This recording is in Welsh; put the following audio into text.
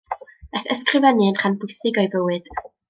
Daeth ysgrifennu yn rhan bwysig o'i bywyd.